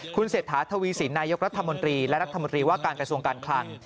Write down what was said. คุณเศรษฐาทวีสินนายกรัฐมนตรีและรัฐมนตรีว่าการกระทรวงการคลัง